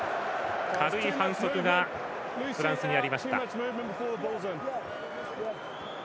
軽い反則がフランスにありました。